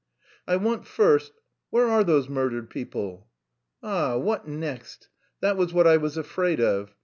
"I want first... where are those murdered people?" "Ah! What next? That was what I was afraid of....